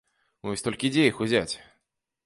Вось толькі дзе іх узяць?